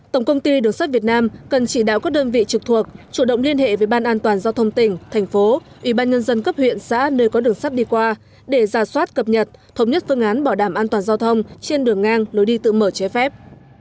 tổng công ty đường sắt việt nam cần chỉ đạo các đơn vị trực thuộc chủ động liên hệ với ban an toàn giao thông tỉnh thành phố ủy ban nhân dân cấp huyện xã nơi có đường sắt đi qua để giả soát cập nhật thống nhất phương án bảo đảm an toàn giao thông trên đường ngang lối đi tự mở trái phép